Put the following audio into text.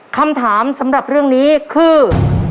คำถามสำหรับเรื่องนี้คือ